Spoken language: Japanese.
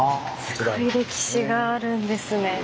すごい歴史があるんですね。